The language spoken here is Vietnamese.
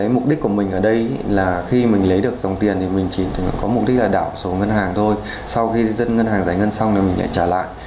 mục đích của mình ở đây là khi mình lấy được dòng tiền thì mình chỉ có mục đích là đảo xuống ngân hàng thôi sau khi dân ngân hàng giải ngân xong thì mình lại trả lại